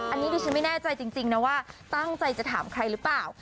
อันนี้ดิฉันไม่แน่ใจจริงนะว่าตั้งใจจะถามใครหรือเปล่า